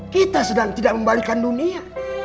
kita sedang tidak membalikan dunia